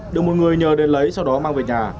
được một người nhờ đến lấy sau đó mang về nhà